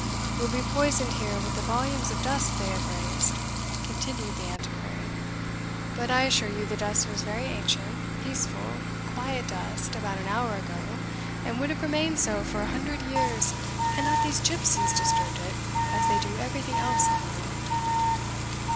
"You'll be poisoned here with the volumes of dust they have raised," continued the Antiquary; "but I assure you the dust was very ancient, peaceful, quiet dust, about an hour ago, and would have remained so for a hundred years, had not these gipsies disturbed it, as they do everything else in the world."